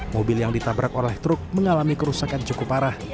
mobil yang ditabrak oleh truk mengalami kerusakan cukup parah